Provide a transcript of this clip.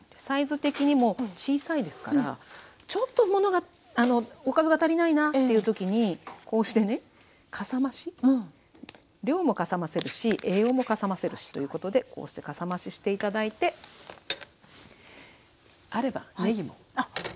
サイズ的にも小さいですからちょっとものがおかずが足りないなっていう時にこうしてねかさ増し。量もかさ増せるし栄養もかさ増せるしということでこうしてかさ増しして頂いてあればねぎも。